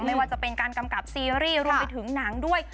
ไม่ว่าจะเป็นการกำกับซีรีส์รวมไปถึงหนังด้วย